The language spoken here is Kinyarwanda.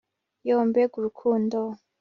Yoo mbega urukundo